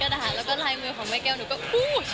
ท่ำว่าโอโหจีนหนูก็ถามณเดชน์ว่ามันคืออะไรเหรอ